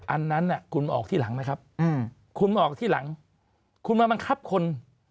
อันนั้นคุณออกที่หลังไหมครับคุณออกที่หลังคุณมาบังคับคน